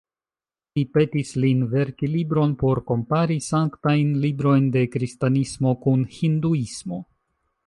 Li petis lin verki libron por kompari sanktajn librojn de kristanismo kun hinduismo.